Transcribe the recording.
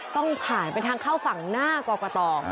ต้องผ่านเป็นทางเข้าฝั่งหน้ากอกกะตอ